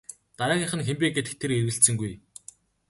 Дараагийнх нь хэн бэ гэдэгт тэр эргэлзсэнгүй.